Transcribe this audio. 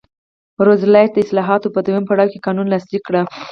روزولټ د اصلاحاتو په دویم پړاو کې قانون لاسلیک کړ.